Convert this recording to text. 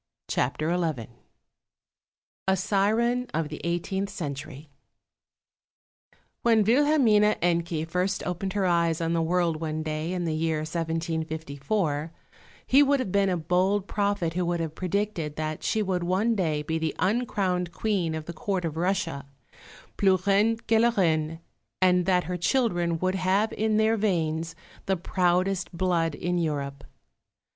CHAPTER XI A SIREN OF THE EIGHTEENTH CENTURY When Wilhelmine Encke first opened her eyes on the world one day in the year 1754, he would have been a bold prophet who would have predicted that she would one day be the uncrowned Queen of the Court of Russia, plus Reine que la Reine, and that her children would have in their veins the proudest blood in Europe.